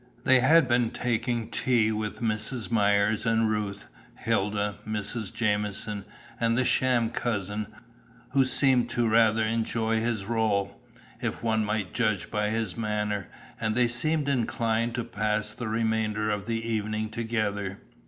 They had been taking tea with Mrs. Myers and Ruth, Hilda, Mrs. Jamieson, and the sham cousin, who seemed to rather enjoy his rôle, if one might judge by his manner, and they seemed inclined to pass the remainder of the evening together.